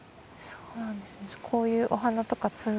そうなんですよ。